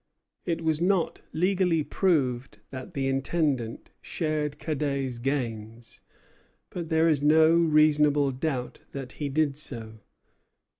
It was not legally proved that the Intendant shared Cadet's gains; but there is no reasonable doubt that he did so.